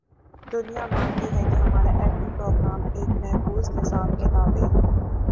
دنیا مانتی ہے کہ ہمارا ایٹمی پروگرام ایک محفوظ نظام کے تابع ہے۔